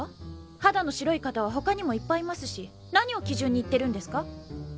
肌の白い方はほかにもいっぱいいますし何を基準に言ってるんですか？